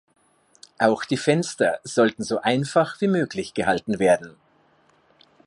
Auch die Fenster sollten so einfach wie möglich gehalten werden.